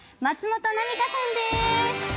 松本潮霞さんです！